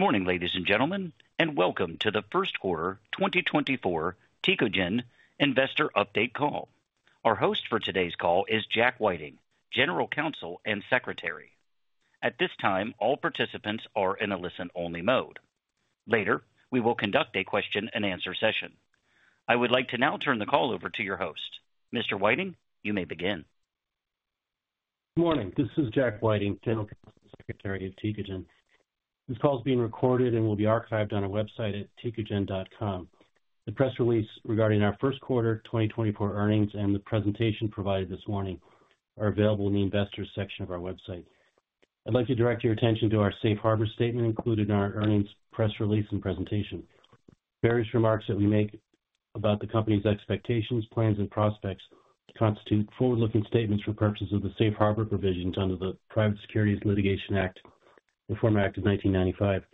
Good morning, ladies and gentlemen, and welcome to the first quarter 2024 Tecogen investor update call. Our host for today's call is Jack Whiting, General Counsel and Secretary. At this time, all participants are in a listen-only mode. Later, we will conduct a question-and-answer session. I would like to now turn the call over to your host. Mr. Whiting, you may begin. Good morning. This is Jack Whiting, General Counsel and Secretary of Tecogen. This call is being recorded and will be archived on our website at tecogen.com. The press release regarding our first quarter 2024 earnings and the presentation provided this morning are available in the Investors section of our website. I'd like to direct your attention to our Safe Harbor statement included in our earnings, press release, and presentation. Various remarks that we make about the company's expectations, plans, and prospects constitute forward-looking statements for purposes of the Safe Harbor provisions under the Private Securities Litigation Reform Act of 1995.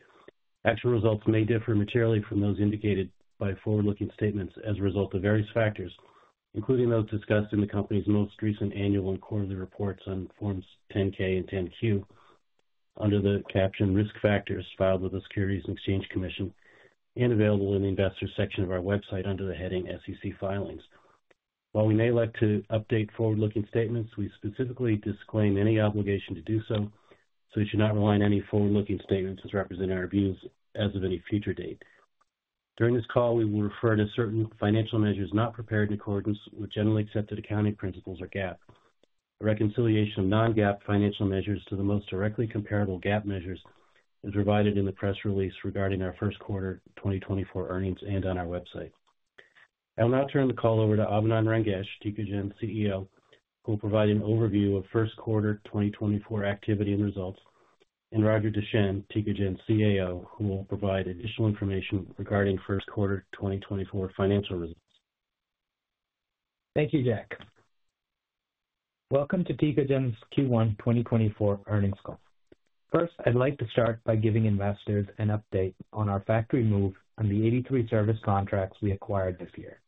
Actual results may differ materially from those indicated by forward-looking statements as a result of various factors, including those discussed in the company's most recent annual and quarterly reports on Forms 10-K and 10-Q under the caption Risk Factors, filed with the Securities and Exchange Commission and available in the Investors section of our website under the heading SEC Filings. While we may like to update forward-looking statements, we specifically disclaim any obligation to do so, so we should not rely on any forward-looking statements as representing our views as of any future date. During this call, we will refer to certain financial measures not prepared in accordance with generally accepted accounting principles, or GAAP. A reconciliation of non-GAAP financial measures to the most directly comparable GAAP measures is provided in the press release regarding our first quarter 2024 earnings and on our website. I'll now turn the call over to Abinand Rangesh, Tecogen's CEO, who will provide an overview of first quarter 2024 activity and results, and Roger Deschenes, Tecogen's CAO, who will provide additional information regarding first quarter 2024 financial results. Thank you, Jack. Welcome to Tecogen's Q1 2024 earnings call. First, I'd like to start by giving investors an update on our factory move and the 83 service contracts we acquired this year.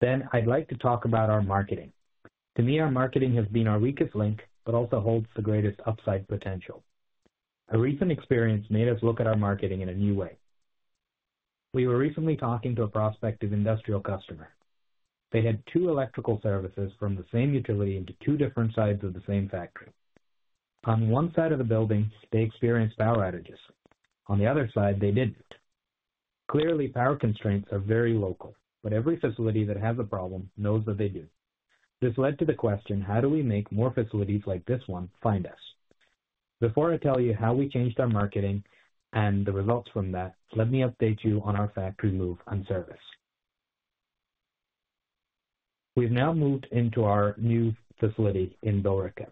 Then I'd like to talk about our marketing. To me, our marketing has been our weakest link, but also holds the greatest upside potential. A recent experience made us look at our marketing in a new way. We were recently talking to a prospective industrial customer. They had two electrical services from the same utility into two different sides of the same factory. On one side of the building, they experienced power outages. On the other side, they didn't. Clearly, power constraints are very local, but every facility that has a problem knows that they do. This led to the question: How do we make more facilities like this one find us? Before I tell you how we changed our marketing and the results from that, let me update you on our factory move and service. We've now moved into our new facility in Billerica.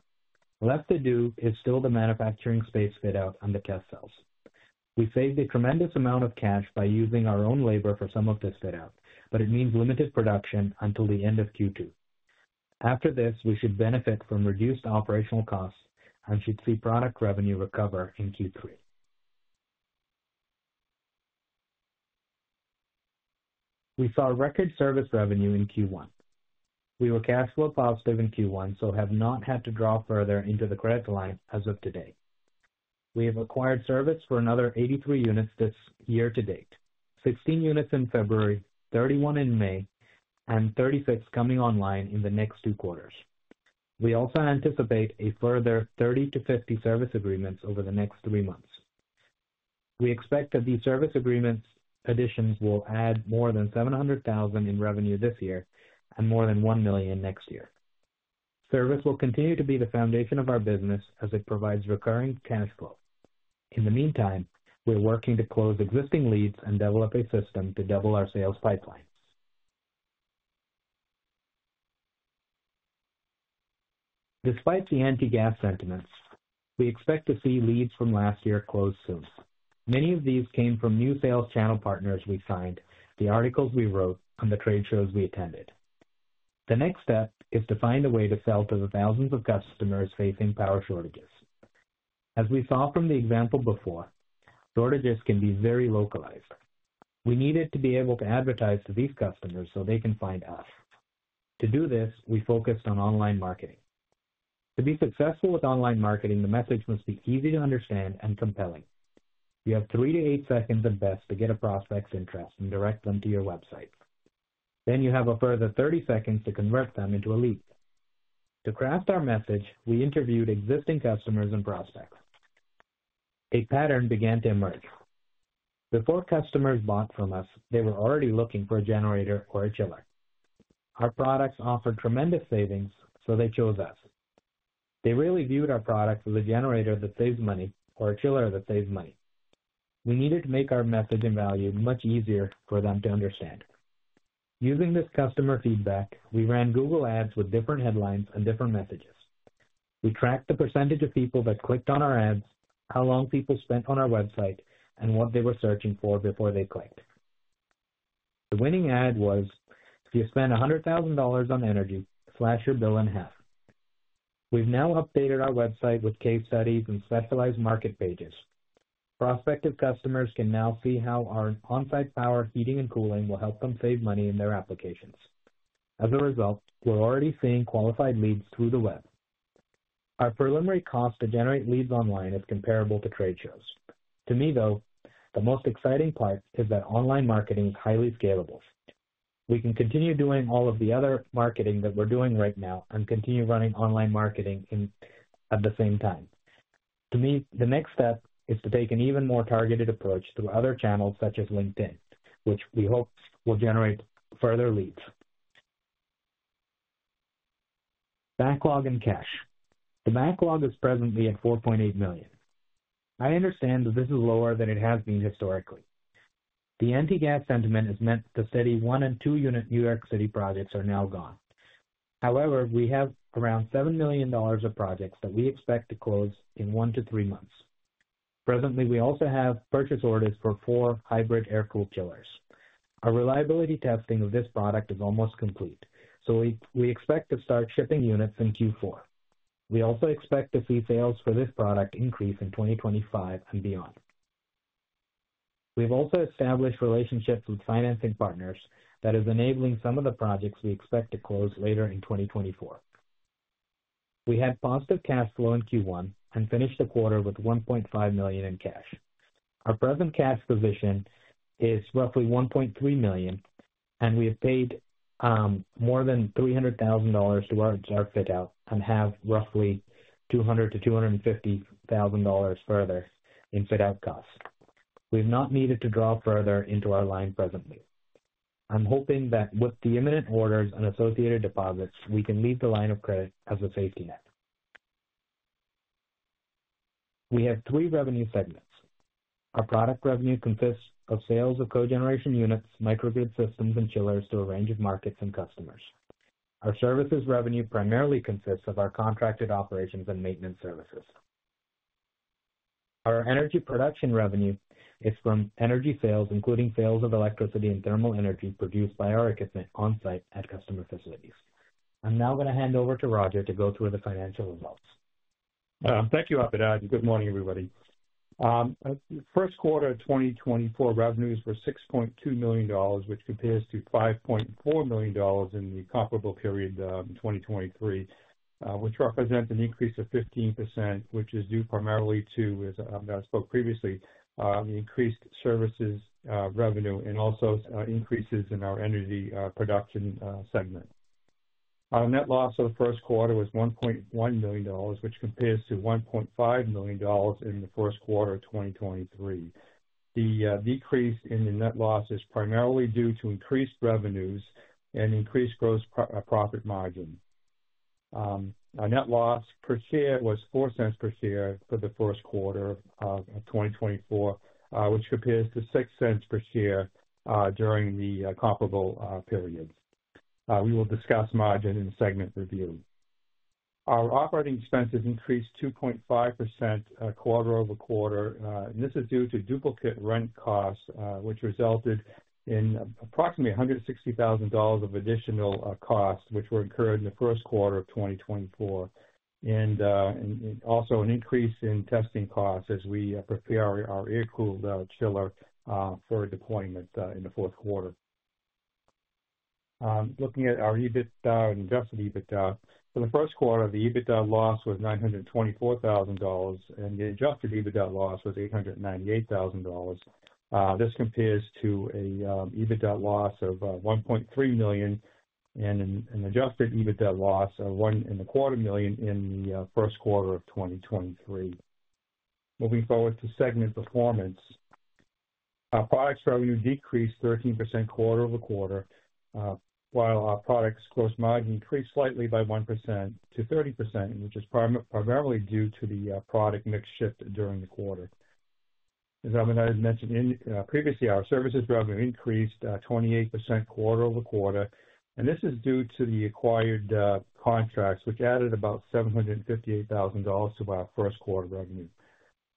Left to do is still the manufacturing space fit out on the test cells. We saved a tremendous amount of cash by using our own labor for some of this fit out, but it means limited production until the end of Q2. After this, we should benefit from reduced operational costs and should see product revenue recover in Q3. We saw record service revenue in Q1. We were cash flow positive in Q1, so have not had to draw further into the credit line as of today. We have acquired service for another 83 units this year to date. 16 units in February, 31 in May, and 36 coming online in the next two quarters. We also anticipate a further 30-50 service agreements over the next three months. We expect that these service agreements additions will add more than $700,000 in revenue this year and more than $1 million next year. Service will continue to be the foundation of our business as it provides recurring cash flow. In the meantime, we're working to close existing leads and develop a system to double our sales pipeline. Despite the anti-gas sentiments, we expect to see leads from last year close soon. Many of these came from new sales channel partners we signed, the articles we wrote, and the trade shows we attended. The next step is to find a way to sell to the thousands of customers facing power shortages. As we saw from the example before, shortages can be very localized. We needed to be able to advertise to these customers so they can find us. To do this, we focused on online marketing. To be successful with online marketing, the message must be easy to understand and compelling. You have 3-8 seconds at best to get a prospect's interest and direct them to your website. Then you have a further 30 seconds to convert them into a lead. To craft our message, we interviewed existing customers and prospects. A pattern began to emerge. Before customers bought from us, they were already looking for a generator or a chiller. Our products offered tremendous savings, so they chose us. They really viewed our product as a generator that saves money or a chiller that saves money. We needed to make our message and value much easier for them to understand. Using this customer feedback, we ran Google Ads with different headlines and different messages. We tracked the percentage of people that clicked on our ads, how long people spent on our website, and what they were searching for before they clicked. The winning ad was, "If you spend $100,000 on energy, slash your bill in half." We've now updated our website with case studies and specialized market pages. Prospective customers can now see how our on-site power, heating, and cooling will help them save money in their applications. As a result, we're already seeing qualified leads through the web. Our preliminary cost to generate leads online is comparable to trade shows. To me, though, the most exciting part is that online marketing is highly scalable. We can continue doing all of the other marketing that we're doing right now and continue running online marketing in at the same time. To me, the next step is to take an even more targeted approach through other channels, such as LinkedIn, which we hope will generate further leads. Backlog and cash. The backlog is presently at $4.8 million. I understand that this is lower than it has been historically. The anti-gas sentiment has meant the city 1- and 2-unit New York City projects are now gone. However, we have around $7 million of projects that we expect to close in 1-3 months. Presently, we also have purchase orders for 4 hybrid air-cooled chillers. Our reliability testing of this product is almost complete, so we expect to start shipping units in Q4. We also expect to see sales for this product increase in 2025 and beyond. We've also established relationships with financing partners that is enabling some of the projects we expect to close later in 2024. We had positive cash flow in Q1 and finished the quarter with $1.5 million in cash. Our present cash position is roughly $1.3 million, and we have paid more than $300,000 towards our fit out and have roughly $200,000-$250,000 further in fit out costs. We've not needed to draw further into our line presently. I'm hoping that with the imminent orders and associated deposits, we can leave the line of credit as a safety net. We have three revenue segments. Our product revenue consists of sales of cogeneration units, microgrid systems, and chillers to a range of markets and customers. Our services revenue primarily consists of our contracted operations and maintenance services. Our energy production revenue is from energy sales, including sales of electricity and thermal energy produced by our equipment on-site at customer facilities. I'm now going to hand over to Roger to go through the financial results. Thank you, Abinand, and good morning, everybody. First quarter of 2024 revenues were $6.2 million, which compares to $5.4 million in the comparable period in 2023, which represents an increase of 15%, which is due primarily to, as Abinand spoke previously, increased services revenue and also increases in our energy production segment. Our net loss for the first quarter was $1.1 million, which compares to $1.5 million in the first quarter of 2023. The decrease in the net loss is primarily due to increased revenues and increased gross profit margin. Our net loss per share was $0.04 per share for the first quarter of 2024, which compares to $0.06 per share during the comparable period. We will discuss margin in the segment review. Our operating expenses increased 2.5% quarter-over-quarter, and this is due to duplicate rent costs, which resulted in approximately $160,000 of additional costs, which were incurred in the first quarter of 2024, and also an increase in testing costs as we prepare our air-cooled chiller for deployment in the fourth quarter. Looking at our EBITDA and adjusted EBITDA, for the first quarter, the EBITDA loss was $924,000, and the adjusted EBITDA loss was $898,000. This compares to an EBITDA loss of $1.3 million and an adjusted EBITDA loss of $1.25 million in the first quarter of 2023. Moving forward to segment performance. Our products revenue decreased 13% quarter-over-quarter, while our products gross margin increased slightly by 1% to 30%, which is primarily due to the product mix shift during the quarter. As Abinand had mentioned previously, our services revenue increased 28% quarter-over-quarter, and this is due to the acquired contracts, which added about $758,000 to our first quarter revenue.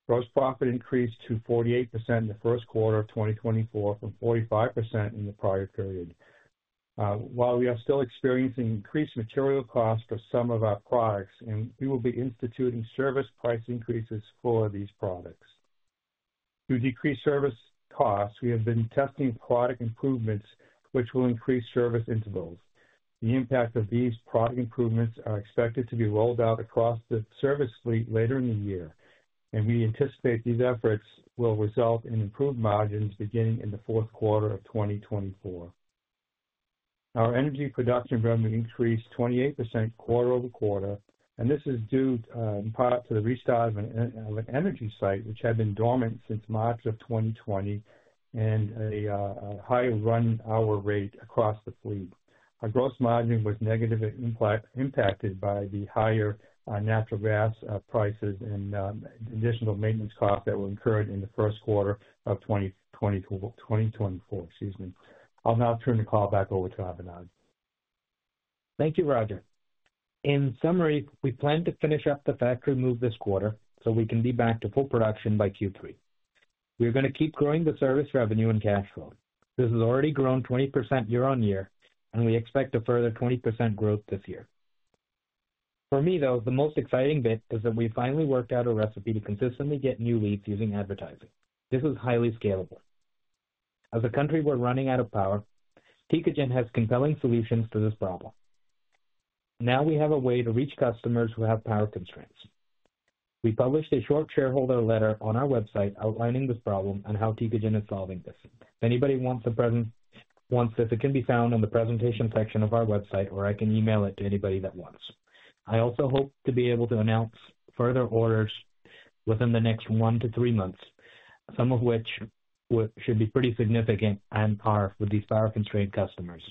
Gross profit increased to 48% in the first quarter of 2024 from 45% in the prior period. While we are still experiencing increased material costs for some of our products, and we will be instituting service price increases for these products. To decrease service costs, we have been testing product improvements, which will increase service intervals. The impact of these product improvements are expected to be rolled out across the service fleet later in the year, and we anticipate these efforts will result in improved margins beginning in the fourth quarter of 2024. Our energy production revenue increased 28% quarter-over-quarter, and this is due in part to the restart of an energy site, which had been dormant since March of 2020, and a higher run hour rate across the fleet. Our gross margin was negatively impacted by the higher natural gas prices and additional maintenance costs that were incurred in the first quarter of 2024, excuse me. I'll now turn the call back over to Abinand. Thank you, Roger. In summary, we plan to finish up the factory move this quarter, so we can be back to full production by Q3. We're going to keep growing the service revenue and cash flow. This has already grown 20% year-on-year, and we expect a further 20% growth this year. For me, though, the most exciting bit is that we finally worked out a recipe to consistently get new leads using advertising. This is highly scalable. As a country, we're running out of power. Tecogen has compelling solutions to this problem. Now we have a way to reach customers who have power constraints. We published a short shareholder letter on our website outlining this problem and how Tecogen is solving this. If anybody wants this, it can be found on the presentation section of our website, or I can email it to anybody that wants. I also hope to be able to announce further orders within the next one to three months, some of which should be pretty significant on par with these power-constrained customers.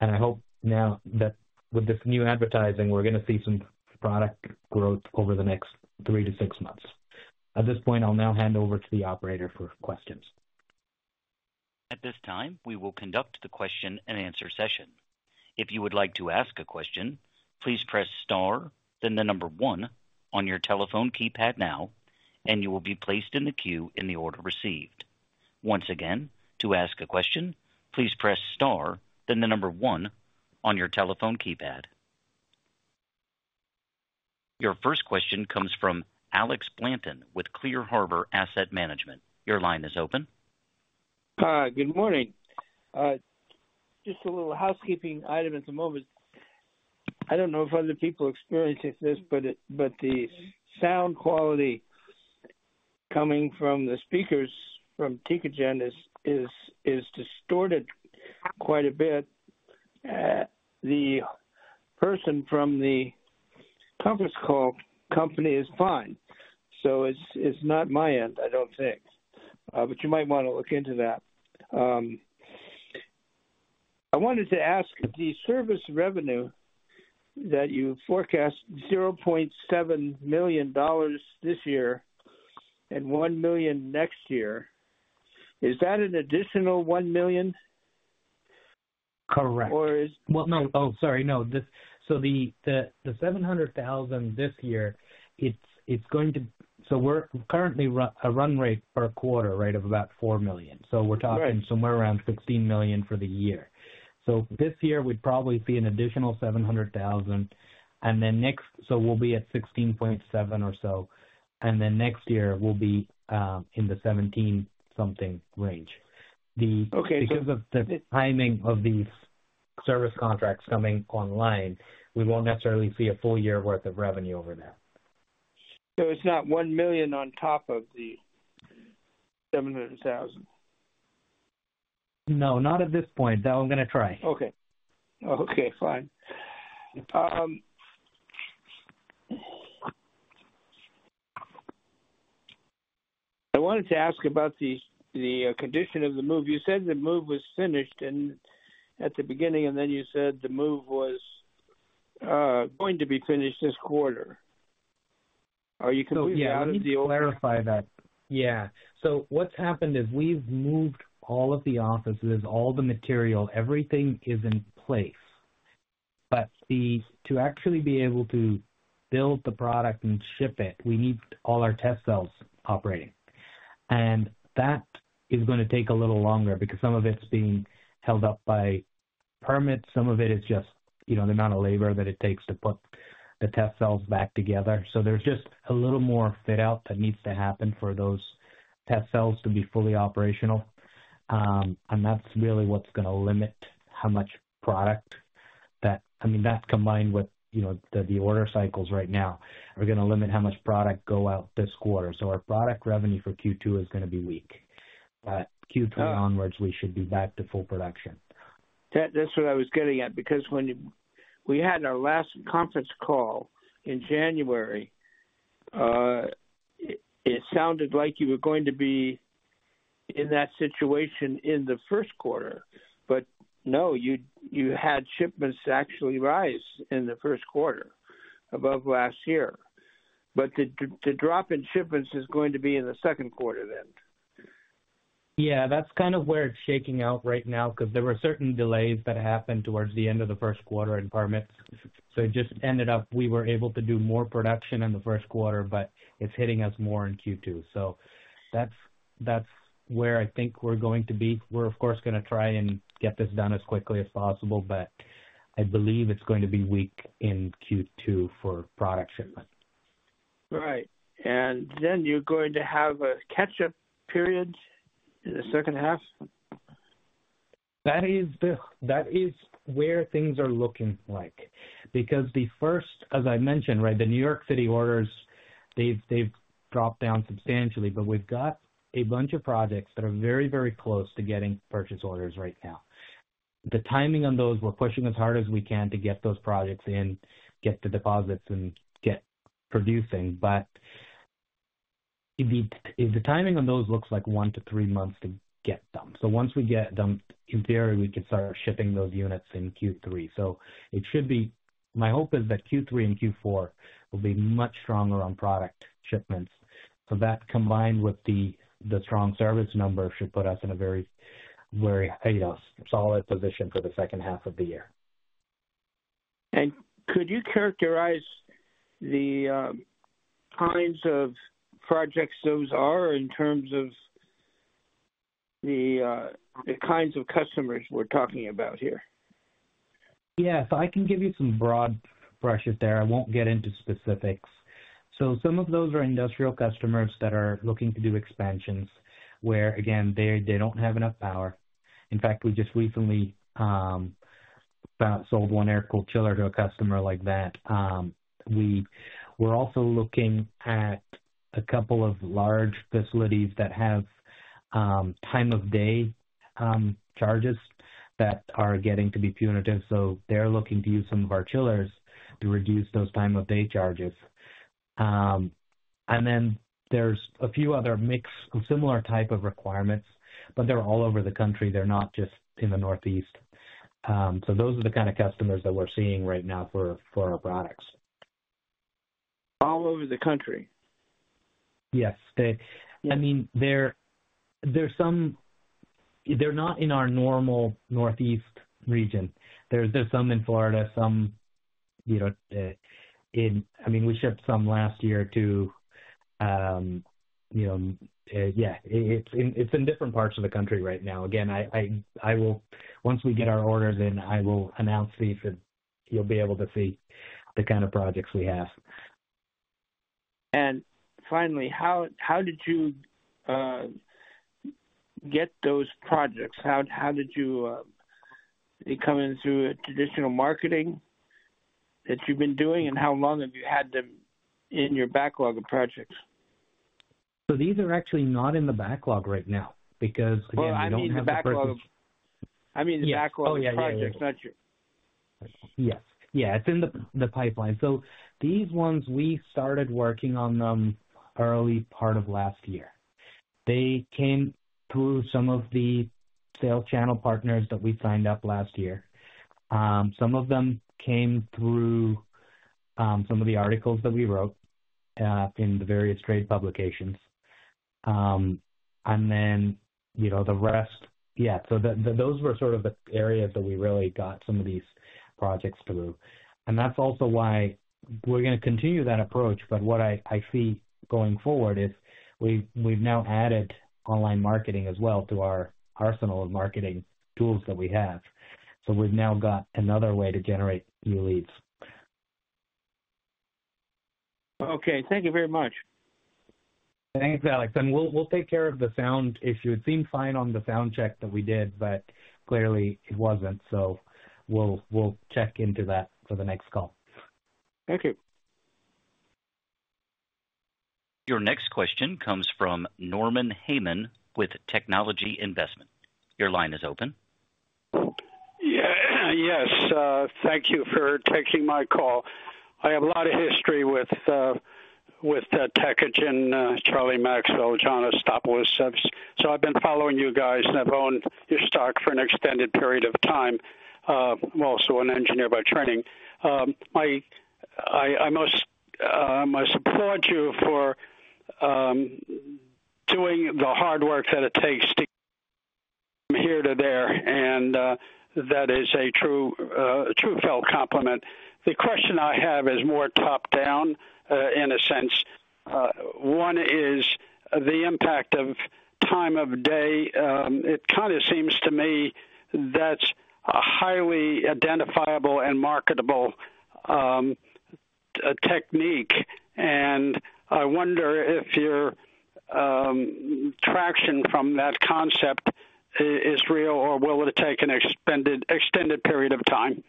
I hope now that with this new advertising, we're gonna see some product growth over the next three to six months. At this point, I'll hand over to the operator for questions. At this time, we will conduct the question-and-answer session. If you would like to ask a question, please press star, then the number one on your telephone keypad now, and you will be placed in the queue in the order received. Once again, to ask a question, please press star, then the number one on your telephone keypad. Your first question comes from Alex Blanton with Clear Harbor Asset Management. Your line is open. Good morning. Just a little housekeeping item at the moment. I don't know if other people are experiencing this, but the sound quality coming from the speakers from Tecogen is distorted quite a bit. The person from the conference call company is fine, so it's not my end, I don't think. But you might want to look into that. I wanted to ask, the service revenue that you forecast, $0.7 million this year and $1 million next year, is that an additional $1 million? Correct. Or is- Well, no. Oh, sorry. No. This... So the $700,000 this year, it's going to— So we're currently running a run rate per quarter, right, of about $4 million. Right. So we're talking somewhere around $15 million for the year. This year, we'd probably see an additional $700,000, and then next, we'll be at $16.7 million or so, and then next year we'll be in the 17-something range. Okay. Because of the timing of these service contracts coming online, we won't necessarily see a full year worth of revenue over that. So it's not $1 million on top of the $700,000? No, not at this point, though I'm gonna try. Okay. Okay, fine. I wanted to ask about the condition of the move. You said the move was finished and at the beginning, and then you said the move was going to be finished this quarter. Are you completely out of the old- Yeah, let me clarify that. Yeah. So what's happened is we've moved all of the offices, all the material, everything is in place. But to actually be able to build the product and ship it, we need all our test cells operating, and that is gonna take a little longer because some of it's being held up by permits, some of it is just, you know, the amount of labor that it takes to put the test cells back together. So there's just a little more fit out that needs to happen for those test cells to be fully operational. And that's really what's gonna limit how much product that... I mean, that combined with, you know, the, the order cycles right now, are gonna limit how much product go out this quarter. Our product revenue for Q2 is gonna be weak, but Q3 onwards, we should be back to full production. That, that's what I was getting at, because when we had our last conference call in January, it sounded like you were going to be in that situation in the first quarter, but no, you had shipments actually rise in the first quarter above last year. But the drop in shipments is going to be in the second quarter then? Yeah, that's kind of where it's shaking out right now because there were certain delays that happened towards the end of the first quarter and permits. So it just ended up, we were able to do more production in the first quarter, but it's hitting us more in Q2. So that's, that's where I think we're going to be. We're, of course, gonna try and get this done as quickly as possible, but I believe it's going to be weak in Q2 for product shipment. Right. And then you're going to have a catch-up period in the second half? That is where things are looking like. Because the first, as I mentioned, right, the New York City orders, they've dropped down substantially, but we've got a bunch of projects that are very, very close to getting purchase orders right now. The timing on those, we're pushing as hard as we can to get those projects in, get the deposits and get producing. But if the timing on those looks like one to three months to get them. So once we get them, in theory, we can start shipping those units in Q3. So it should be... My hope is that Q3 and Q4 will be much stronger on product shipments. So that combined with the strong service numbers should put us in a very, very, you know, solid position for the second half of the year. Could you characterize the kinds of projects those are in terms of the kinds of customers we're talking about here? Yes, I can give you some broad brushes there. I won't get into specifics. So some of those are industrial customers that are looking to do expansions, where, again, they don't have enough power. In fact, we just recently sold one air-cooled chiller to a customer like that. We're also looking at a couple of large facilities that have time-of-day charges that are getting to be punitive, so they're looking to use some of our chillers to reduce those time-of-day charges. And then there's a few other mixed, similar type of requirements, but they're all over the country. They're not just in the Northeast. So those are the kind of customers that we're seeing right now for our products. All over the country? Yes. They, I mean, they're, there's some, they're not in our normal Northeast region. There's some in Florida, some, you know, in. I mean, we shipped some last year to, you know, yeah, it's in different parts of the country right now. Again, I will, once we get our orders in, I will announce these and you'll be able to see the kind of projects we have. Finally, how did you get those projects? How did they come in through a traditional marketing that you've been doing? And how long have you had them in your backlog of projects? So these are actually not in the backlog right now, because, again, we don't have the- Well, I mean, the backlog, I mean, the backlog of projects, not your- Yes. Yeah, it's in the pipeline. So these ones, we started working on them early part of last year. They came through some of the sales channel partners that we signed up last year. Some of them came through some of the articles that we wrote in the various trade publications. And then, you know, the rest, yeah, so those were sort of the areas that we really got some of these projects through. And that's also why we're gonna continue that approach. But what I see going forward is we've now added online marketing as well to our arsenal of marketing tools that we have. So we've now got another way to generate new leads. Okay, thank you very much. Thanks, Alex, and we'll, we'll take care of the sound issue. It seemed fine on the sound check that we did, but clearly it wasn't, so we'll, we'll check into that for the next call. Thank you. Your next question comes from Norman Heyman with Technology Investment. Your line is open. Yeah, yes, thank you for taking my call. I have a lot of history with, with, Tecogen, Charlie Maxwell, John Hatsopoulos. So I've been following you guys, and I've owned your stock for an extended period of time. I'm also an engineer by training. I must support you for doing the hard work that it takes to from here to there, and that is a true, true felt compliment. The question I have is more top-down, in a sense. One is the impact of time of day. It kind of seems to me that's a highly identifiable and marketable technique, and I wonder if your traction from that concept is real, or will it take an expended, extended period of time?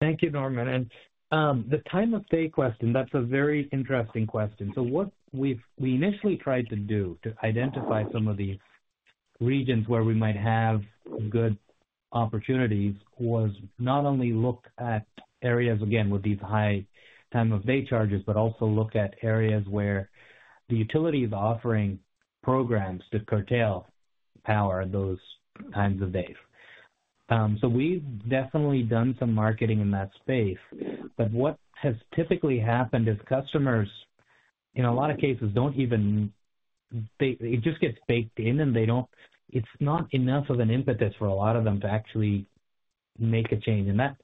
Thank you, Norman. The time of day question, that's a very interesting question. So what we've initially tried to do to identify some of these regions where we might have good opportunities was not only look at areas, again, with these high time-of-day charges, but also look at areas where the utility is offering programs to curtail power those times of day. So we've definitely done some marketing in that space, but what has typically happened is customers, in a lot of cases, don't even... They, it just gets baked in and they don't—it's not enough of an impetus for a lot of them to actually make a change. And that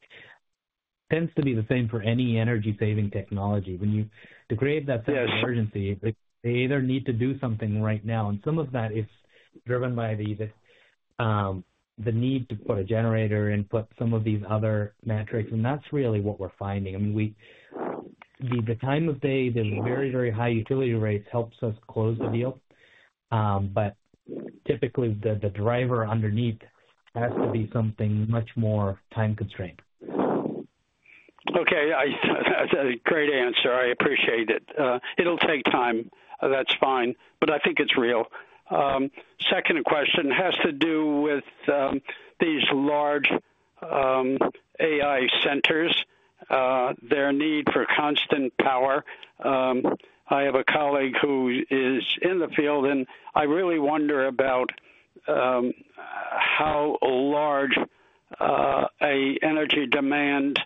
tends to be the same for any energy-saving technology. When you, to create that sense of urgency, they either need to do something right now, and some of that is driven by the, the need to put a generator and put some of these other metrics, and that's really what we're finding. I mean, we, the, the time of day, the very, very high utility rates helps us close the deal, but typically the, the driver underneath has to be something much more time constrained. Okay, that's a great answer. I appreciate it. It'll take time. That's fine, but I think it's real. Second question has to do with these large AI centers, their need for constant power. I have a colleague who is in the field, and I really wonder about how large an energy demand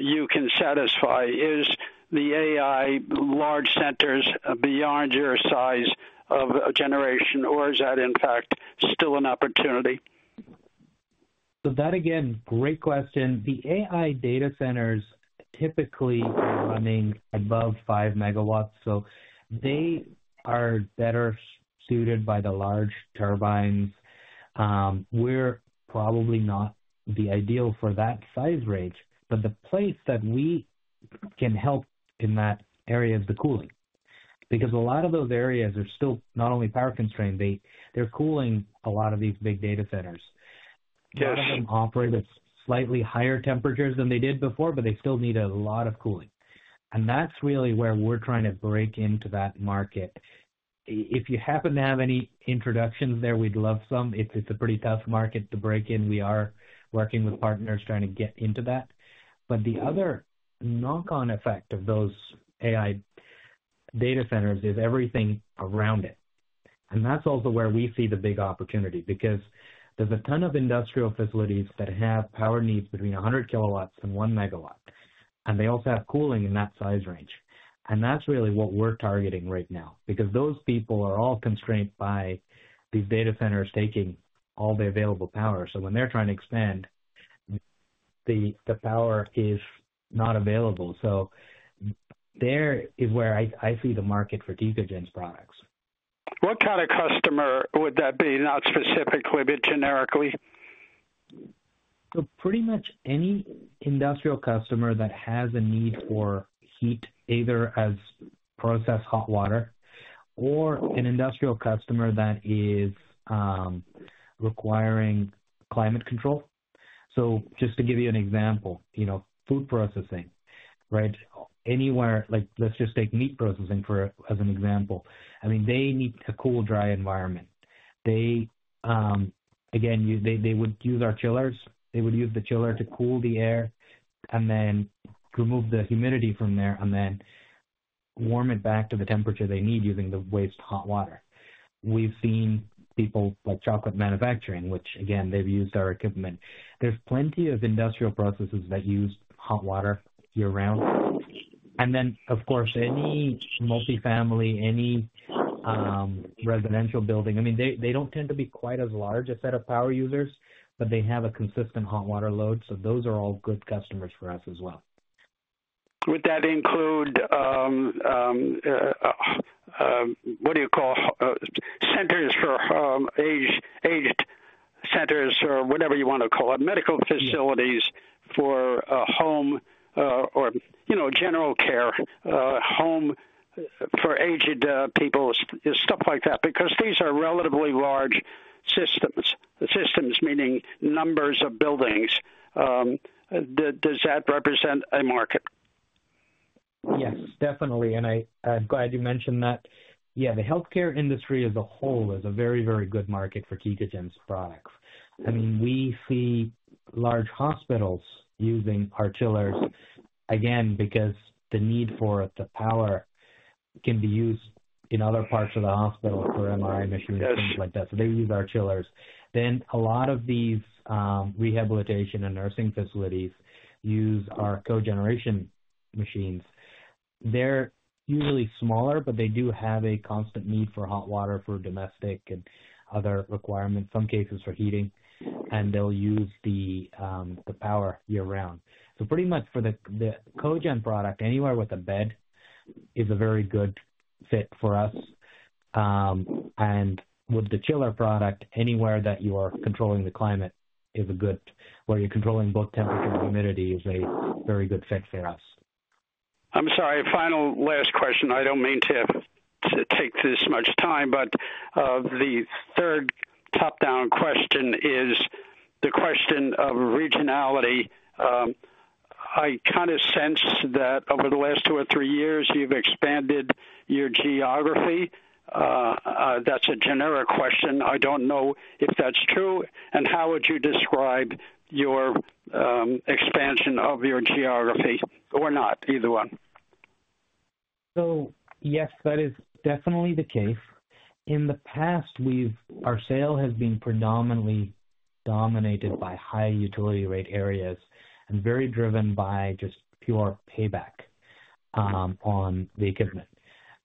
you can satisfy. Is the AI large centers beyond your size of generation, or is that in fact still an opportunity? So that, again, great question. The AI data centers typically running above 5 MW, so they are better suited by the large turbines. We're probably not the ideal for that size range, but the place that we can help in that area is the cooling, because a lot of those areas are still not only power constrained, they're cooling a lot of these big data centers. Yes. A lot of them operate at slightly higher temperatures than they did before, but they still need a lot of cooling. And that's really where we're trying to break into that market. If you happen to have any introductions there, we'd love some. It's, it's a pretty tough market to break in. We are working with partners trying to get into that, but the other knock-on effect of those AI data centers is everything around it. And that's also where we see the big opportunity, because there's a ton of industrial facilities that have power needs between 100 kW and 1 MW, and they also have cooling in that size range. And that's really what we're targeting right now, because those people are all constrained by these data centers taking all the available power. So when they're trying to expand, the power is not available. There is where I see the market for Tecogen's products. What kind of customer would that be? Not specifically, but generically. So pretty much any industrial customer that has a need for heat, either as processed hot water or an industrial customer that is requiring climate control. So just to give you an example, you know, food processing, right? Anywhere, like, let's just take meat processing for as an example. I mean, they need a cool, dry environment. They, again, would use our chillers. They would use the chiller to cool the air and then remove the humidity from there, and then warm it back to the temperature they need using the waste hot water. We've seen people like chocolate manufacturing, which again, they've used our equipment. There's plenty of industrial processes that use hot water year-round. Then, of course, any multifamily residential building, I mean, they don't tend to be quite as large a set of power users, but they have a consistent hot water load, so those are all good customers for us as well. Would that include, what do you call, centers for aged centers or whatever you want to call it, medical facilities for a home, or, you know, general care, home for aged people, stuff like that, because these are relatively large systems. Systems meaning numbers of buildings. Does that represent a market? Yes, definitely, and I, I'm glad you mentioned that. Yeah, the healthcare industry as a whole is a very, very good market for Tecogen's products. I mean, we see large hospitals using our chillers, again, because the need for the power can be used in other parts of the hospital for MRI machines, things like that. So they use our chillers. Then a lot of these, rehabilitation and nursing facilities use our cogeneration machines. They're usually smaller, but they do have a constant need for hot water for domestic and other requirements, some cases for heating, and they'll use the, the power year-round. So pretty much for the, the cogen product, anywhere with a bed is a very good fit for us. With the chiller product, anywhere that you are controlling the climate, where you're controlling both temperature and humidity, is a very good fit for us. I'm sorry, final, last question. I don't mean to take this much time, but the third top-down question is the question of regionality. I kind of sensed that over the last two or three years, you've expanded your geography. That's a generic question. I don't know if that's true, and how would you describe your expansion of your geography or not? Either one. So yes, that is definitely the case. In the past, we've—our sale has been predominantly dominated by high utility rate areas and very driven by just pure payback on the equipment.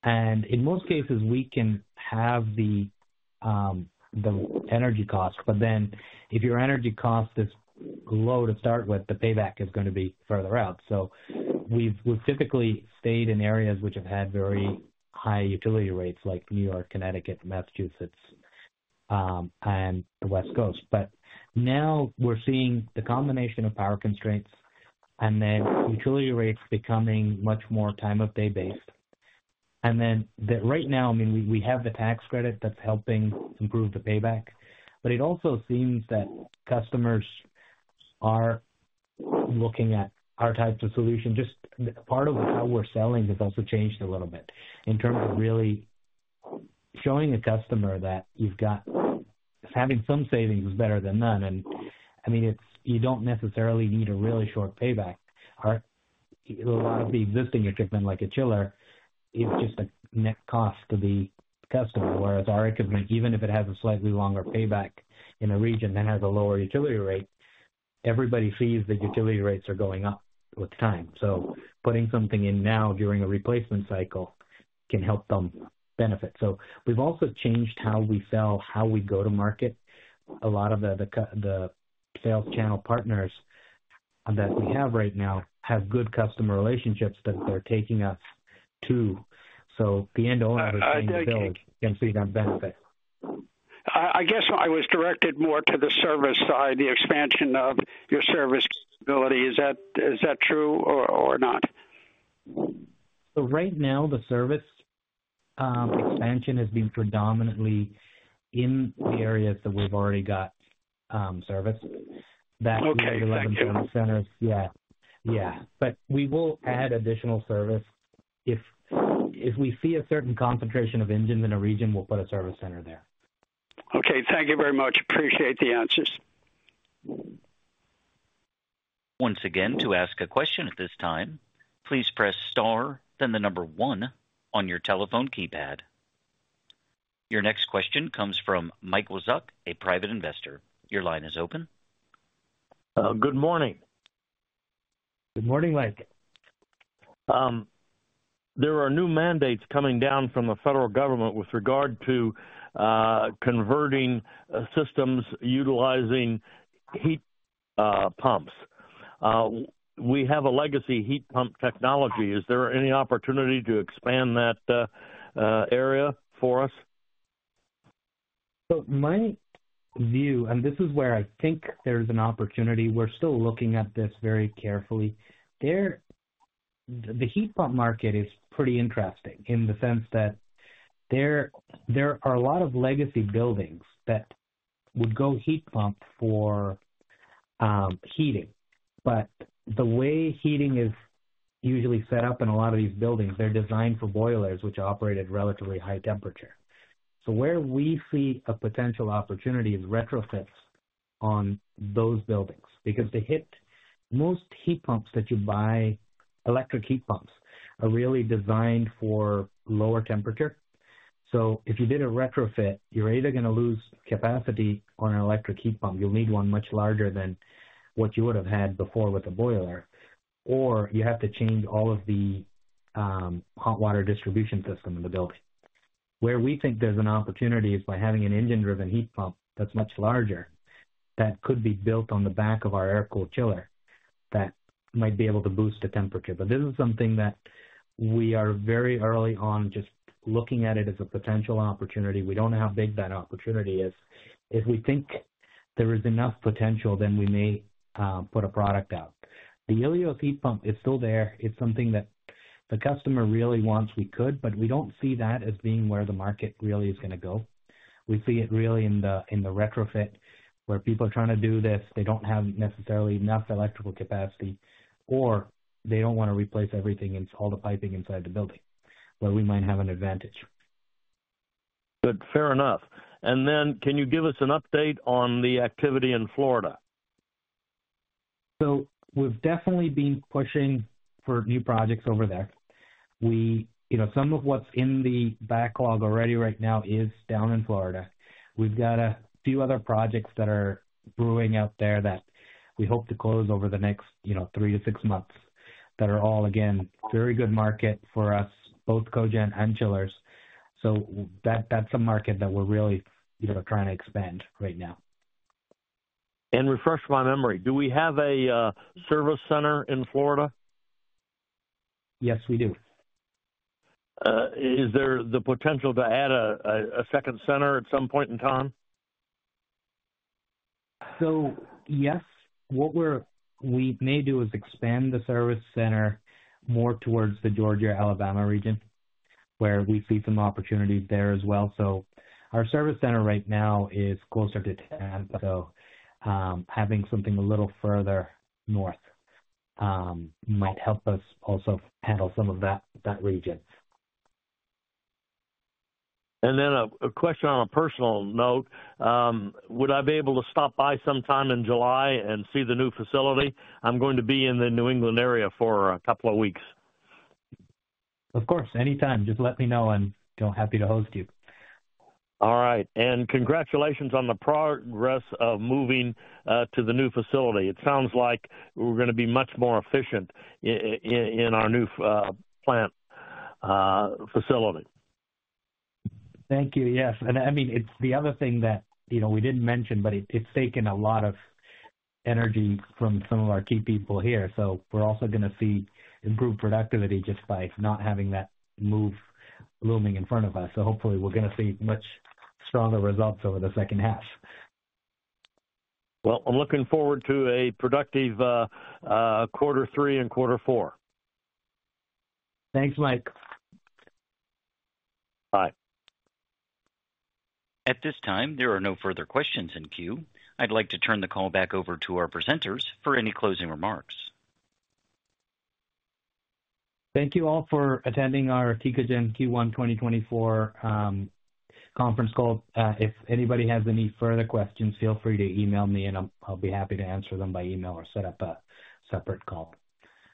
And in most cases, we can have the energy costs, but then if your energy cost is low to start with, the payback is gonna be further out. So we've typically stayed in areas which have had very high utility rates, like New York, Connecticut, Massachusetts, and the West Coast. But now we're seeing the combination of power constraints and then utility rates becoming much more time-of-day based. And then right now, I mean, we have the tax credit that's helping improve the payback, but it also seems that customers are looking at our types of solution. Just part of how we're selling has also changed a little bit in terms of really showing the customer that you've got... Having some savings is better than none. I mean, it's, you don't necessarily need a really short payback. Our, a lot of the existing equipment, like a chiller, is just a net cost to the customer, whereas our equipment, even if it has a slightly longer payback in a region that has a lower utility rate, everybody sees the utility rates are going up with time. Putting something in now during a replacement cycle can help them benefit. We've also changed how we sell, how we go to market... A lot of the sales channel partners that we have right now have good customer relationships that they're taking us to. The end owner can see that benefit. I guess I was directed more to the service side, the expansion of your service capability. Is that true or not? Right now, the service expansion has been predominantly in the areas that we've already got service. Okay, thank you. Yeah. Yeah. But we will add additional service. If we see a certain concentration of engines in a region, we'll put a service center there. Okay, thank you very much. Appreciate the answers. Once again, to ask a question at this time, please press star, then the number one on your telephone keypad. Your next question comes from Mike Wazuk, a private investor. Your line is open. Good morning. Good morning, Mike. There are new mandates coming down from the federal government with regard to converting systems utilizing heat pumps. We have a legacy heat pump technology. Is there any opportunity to expand that area for us? So my view, and this is where I think there's an opportunity, we're still looking at this very carefully. The heat pump market is pretty interesting in the sense that there, there are a lot of legacy buildings that would go heat pump for heating. But the way heating is usually set up in a lot of these buildings, they're designed for boilers, which operate at relatively high temperature. So where we see a potential opportunity is retrofits on those buildings, because most heat pumps that you buy, electric heat pumps, are really designed for lower temperature. So if you did a retrofit, you're either gonna lose capacity on an electric heat pump. You'll need one much larger than what you would have had before with a boiler, or you have to change all of the hot water distribution system in the building. Where we think there's an opportunity is by having an engine-driven heat pump that's much larger, that could be built on the back of our air-cooled chiller, that might be able to boost the temperature. But this is something that we are very early on, just looking at it as a potential opportunity. We don't know how big that opportunity is. If we think there is enough potential, then we may put a product out. The Ilios heat pump is still there. It's something that the customer really wants, we could, but we don't see that as being where the market really is gonna go. We see it really in the retrofit, where people are trying to do this, they don't have necessarily enough electrical capacity, or they don't want to replace everything and all the piping inside the building, where we might have an advantage. Good, fair enough. And then, can you give us an update on the activity in Florida? So we've definitely been pushing for new projects over there. We, you know, some of what's in the backlog already right now is down in Florida. We've got a few other projects that are brewing out there that we hope to close over the next, you know, three to six months, that are all, again, very good market for us, both cogen and chillers. So that, that's a market that we're really, you know, trying to expand right now. Refresh my memory, do we have a service center in Florida? Yes, we do. Is there the potential to add a second center at some point in time? So, yes, what we may do is expand the service center more towards the Georgia, Alabama region, where we see some opportunities there as well. So our service center right now is closer to town, so, having something a little further north, might help us also handle some of that region. And then a question on a personal note. Would I be able to stop by sometime in July and see the new facility? I'm going to be in the New England area for a couple of weeks. Of course, anytime. Just let me know. I'm happy to host you. All right. Congratulations on the progress of moving to the new facility. It sounds like we're gonna be much more efficient in our new plant facility. Thank you. Yes. I mean, it's the other thing that, you know, we didn't mention, but it, it's taken a lot of energy from some of our key people here. So we're also gonna see improved productivity just by not having that move looming in front of us. So hopefully, we're gonna see much stronger results over the second half. Well, I'm looking forward to a productive quarter three and quarter four. Thanks, Mike. Bye. At this time, there are no further questions in queue. I'd like to turn the call back over to our presenters for any closing remarks. Thank you all for attending our Tecogen Q1 2024 conference call. If anybody has any further questions, feel free to email me, and I'll, I'll be happy to answer them by email or set up a separate call.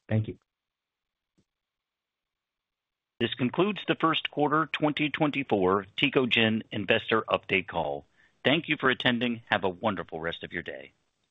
Thank you. This concludes the first quarter 2024 Tecogen investor update call. Thank you for attending. Have a wonderful rest of your day.